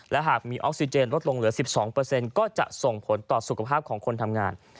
และหากมีออกซิเจนลดลงเหลือ๑๒ก็จะส่งผลต่อสุขภาพของคนทำงาน